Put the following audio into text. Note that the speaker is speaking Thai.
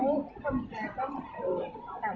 เวลาแรกพี่เห็นแวว